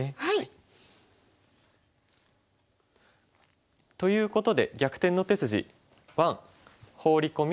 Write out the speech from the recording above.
はい！ということで「逆転の手筋１」。